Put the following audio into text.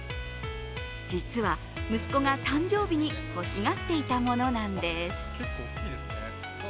実は、息子が誕生日に欲しがっていたものなんです。